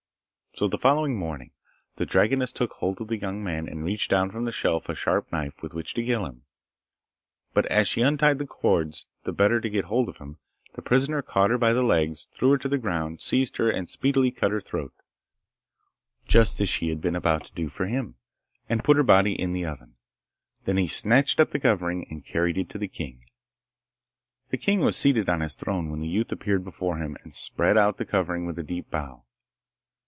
So the following morning the dragoness took hold of the young man and reached down from the shelf a sharp knife with which to kill him. But as she untied the cords the better to get hold of him, the prisoner caught her by the legs, threw her to the ground, seized her and speedily cut her throat, just as she had been about to do for him, and put her body in the oven. Then he snatched up the covering and carried it to the king. The king was seated on his throne when the youth appeared before him and spread out the covering with a deep bow.